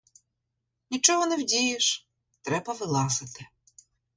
Нічого не вдієш, треба вилазити.